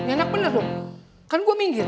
enak bener dong kan gue minggir